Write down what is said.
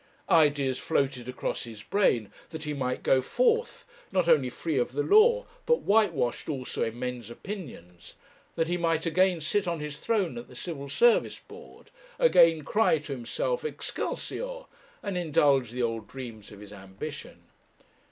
Ideas floated across his brain that he might go forth, not only free of the law, but whitewashed also in men's opinions, that he might again sit on his throne at the Civil Service Board, again cry to himself 'Excelsior,' and indulge the old dreams of his ambition.